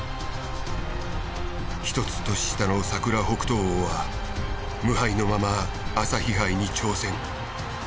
１つ年下のサクラホクトオーは無敗のまま朝日杯に挑戦。